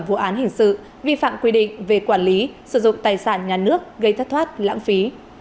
vụ án hình sự vi phạm quy định về quản lý sử dụng tài sản nhà nước gây thất thoát lãng phí